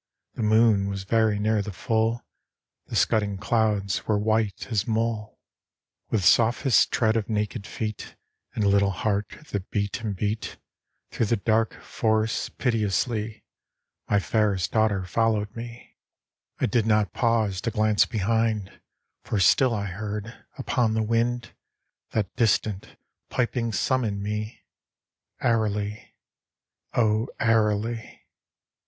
The moon was very near the full, The scudding clouds were white as mull. With softest tread of naked feet, And little heart that beat and beat, Through the dark forest, piteously, My fairest daughter followed me. THE WOOD DEMON. 13 I did not pause to glance behind, For still I heard, upon the wind, That distant piping summon me, Airily, O airily.